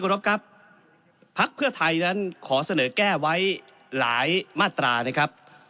รบครับพักเพื่อไทยนั้นขอเสนอแก้ไว้หลายมาตรานะครับ